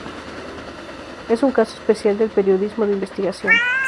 Es un caso especial del periodismo de investigación.